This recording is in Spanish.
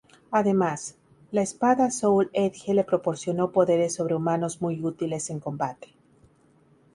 Además, la espada Soul Edge le proporcionó poderes sobrehumanos muy útiles en combate.